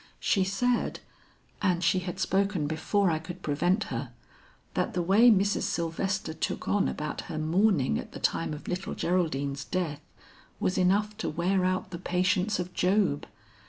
She said and she had spoken before I could prevent her that the way Mrs. Sylvester took on about her mourning at the time of little Geraldine's death was enough to wear out the patience of Job.